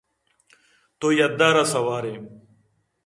تو یدار ءَ سوار ئے